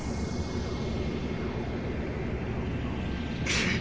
くっ！